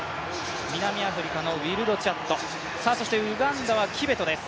南アフリカのウィルドチャット、ウガンダはキベトです。